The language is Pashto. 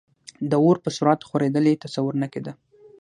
د اور په سرعت خورېدل یې تصور نه کېده.